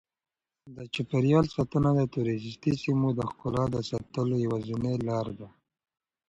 د چاپیریال ساتنه د توریستي سیمو د ښکلا د ساتلو یوازینۍ لاره ده.